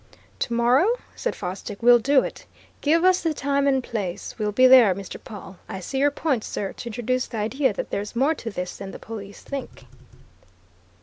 "Tomorrow?" said Fosdick. "We'll do it. Give us the time and place. We'll be there, Mr. Pawle. I see your point, sir to introduce the idea that there's more to this than the police think."